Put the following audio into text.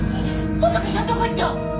仏さんどこ行ったん！？